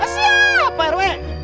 siap pak rw